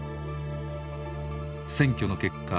選挙の結果